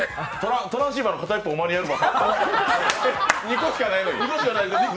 トランシーバーの片一方お前にやるわ。